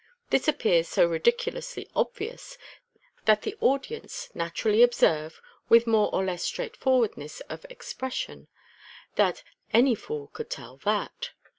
This appears so ridiculously obvious, that the audience naturally observe (with more or less straightforwardness of expression) that "any fool could tell that."